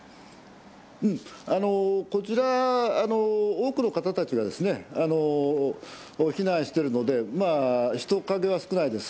多くの方たちが避難しているので人影は少ないです。